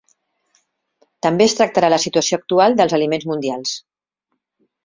També es tractarà la situació actual dels aliments mundials.